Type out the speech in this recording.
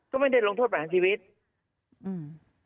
ก็ไม่ได้ลงโทษประหารชีวิตอืม